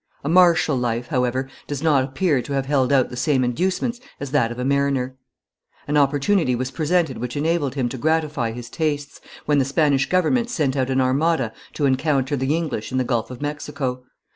A martial life, however, does not appear to have held out the same inducements as that of a mariner. An opportunity was presented which enabled him to gratify his tastes, when the Spanish government sent out an armada to encounter the English in the Gulf of Mexico.